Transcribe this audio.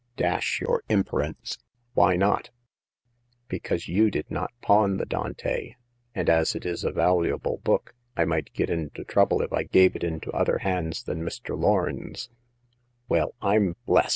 " Dash yer imperance ! Why not ?"Because you did not pawn the Dante ; and as it is a valuable book, I might get into trouble if I gave it into other hands than Mr. Lorn's," '' W^Jl Fm West